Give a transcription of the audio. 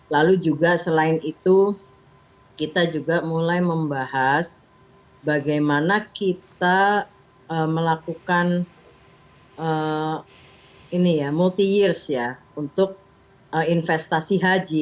lalu juga selain itu kita juga mulai membahas bagaimana kita melakukan multi years ya untuk investasi haji